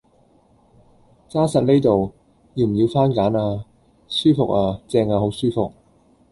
揸實呢度，要唔要番梘呀？舒服呀，正呀好舒服